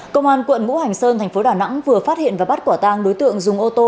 công an quận ngũ hành sơn thành phố đà nẵng vừa phát hiện và bắt quả tang đối tượng dùng ô tô